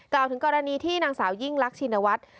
กล่าวถึงกรณีที่นางสาวยิ่งลักษณวัตร